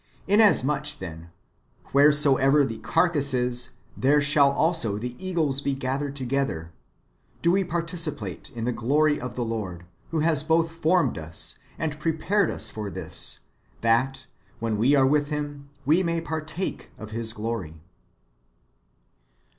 "^ Inasmuch as, then, "where soever the carcase is, there shall also the eagles be gathered together,"* we do participate in the glory of the Lord, who has both formed us, and prepared us for this, that, when we are with Him, we may partake of His glory.